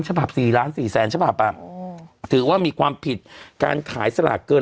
สิบห้าบสี่ล้านสี่แสนสิบห้าบอ่ะอ๋อถือว่ามีความผิดการขายสลากเกิน